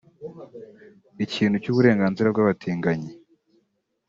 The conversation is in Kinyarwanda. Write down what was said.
ikintu cy’uburenganzira bw’abatinganyi